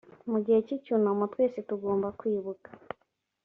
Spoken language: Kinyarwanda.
mu gihe cy’ icyunamo twese tugomba kwibuka.